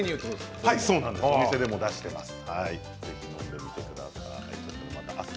お店でも出しています。